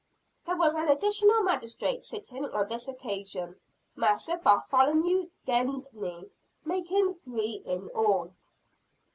There was an additional magistrate sitting on this occasion, Master Bartholomew Gedney making three in all.